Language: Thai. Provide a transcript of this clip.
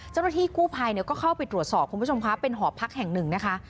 เจ้าหน้าที่กู้ภัยก็เข้าไปตรวจสอบคุณผู้ชมคะเป็นหอพักแห่งหนึ่งนะคะ